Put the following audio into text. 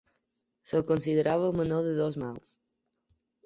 Se'l considerava el menor de dos mals.